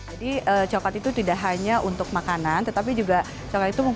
jadi coklat itu tidak hanya untuk makanan tetapi juga coklat itu mempunyai